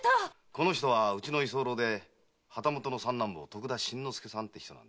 この人はうちの居候で旗本の三男坊徳田新之助さん。